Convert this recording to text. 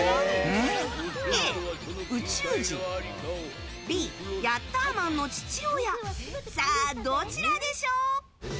Ａ、宇宙人Ｂ、ヤッターマンの父親さあ、どちらでしょう？